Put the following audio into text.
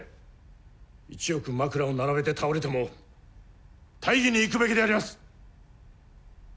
１億枕を並べて倒れても大義に生くべきであります！